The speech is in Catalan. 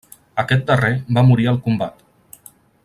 Aquest darrer va morir al combat.